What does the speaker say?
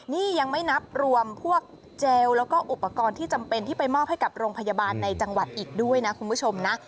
นี่ยังไม่นับรวมพวกเจลแล้วก็อุปกรณ์ที่จำเป็นที่ไปมอบให้กับโรงพยาบาลในจังหวัดอีกด้วยนะคุณผู้ชมนะ